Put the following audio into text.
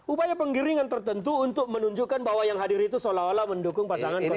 upaya penggiringan tertentu untuk menunjukkan bahwa yang hadir itu seolah olah mendukung pasangan dua